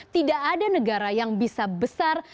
tidak ada negara yang bisa besar